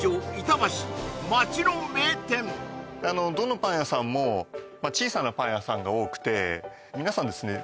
板橋街の名店どのパン屋さんも小さなパン屋さんが多くて皆さんですね